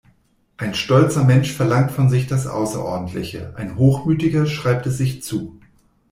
Ein stolzer Mensch verlangt von sich das Außerordentliche, ein hochmütiger schreibt es sich zu.